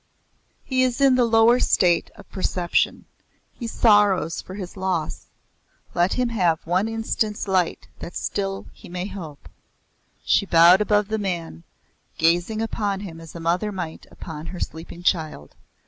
"He is in the Lower State of Perception. He sorrows for his loss. Let him have one instant's light that still he may hope." She bowed above the man, gazing upon him as a mother might upon her sleeping child.